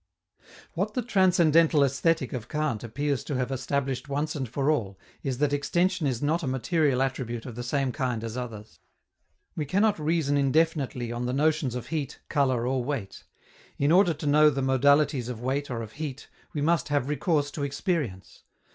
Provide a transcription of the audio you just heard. What the Transcendental Aesthetic of Kant appears to have established once for all is that extension is not a material attribute of the same kind as others. We cannot reason indefinitely on the notions of heat, color, or weight: in order to know the modalities of weight or of heat, we must have recourse to experience.